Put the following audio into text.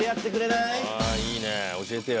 いいね教えてよ。